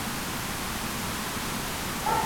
কেউ কেউ বলেন, এটা ছিল শোকরানা সালাত।